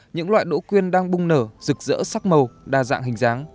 những loại đỗ quyên đang bung nở rực rỡ sắc màu đa dạng hình dáng